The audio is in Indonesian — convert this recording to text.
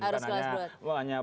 harus kelas berat